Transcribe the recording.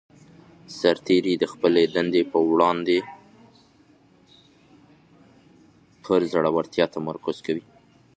سرتیری د خپلې دندې په وړاندې پر زړه ورتیا تمرکز کوي.